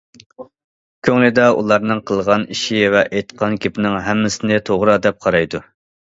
كۆڭلىدە ئۇلارنىڭ قىلغان ئىشى ۋە ئېيتقان گېپىنىڭ ھەممىسىنى توغرا دەپ قارايدۇ.